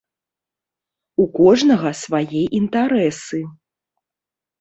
У кожнага свае інтарэсы.